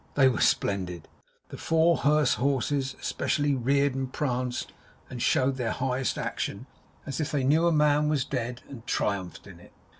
They were splendid. The four hearse horses, especially, reared and pranced, and showed their highest action, as if they knew a man was dead, and triumphed in it.